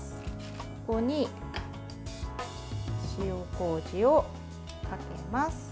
ここに塩こうじをかけます。